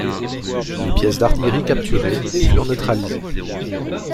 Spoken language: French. Les pièces d'artillerie capturées furent neutralisées.